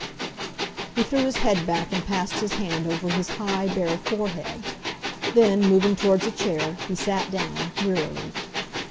He threw his head back and passed his hand over his high, bare forehead; then, moving towards a chair, he sat down—wearily.